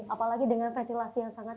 apalagi dengan ventilasi yang sangat